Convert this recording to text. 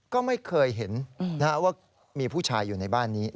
ก็ไม่เคยเห็นว่ามีผู้ชายอยู่ในบ้านนี้